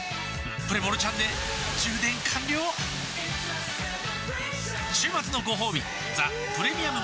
プレモルちゃんで充電完了週末のごほうび「ザ・プレミアム・モルツ」